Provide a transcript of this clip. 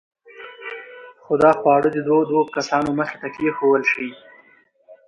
خو دا خواړه د دوو دوو کسانو مخې ته کېښوول شول.